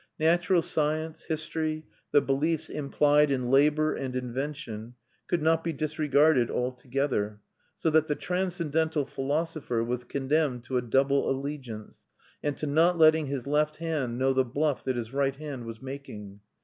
Natural science, history, the beliefs implied in labour and invention, could not be disregarded altogether; so that the transcendental philosopher was condemned to a double allegiance, and to not letting his left hand know the bluff that his right hand was making.